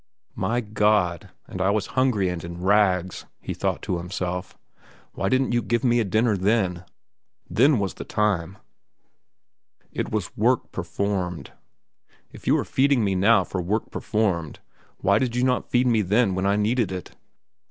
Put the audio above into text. My God! and I was hungry and in rags, he thought to himself. Why didn't you give me a dinner then? Then was the time. It was work performed. If you are feeding me now for work performed, why did you not feed me then when I needed it?